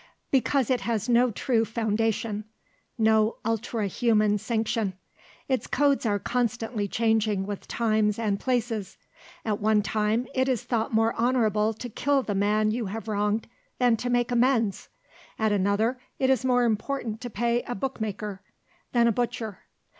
"Because it has no true foundation, no ultra human sanction. Its codes are constantly changing with times and places. At one time it is thought more honourable to kill the man you have wronged than to make amends; at another it is more important to pay a bookmaker than a butcher.